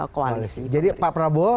koalisi jadi pak prabowo